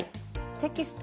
テキスト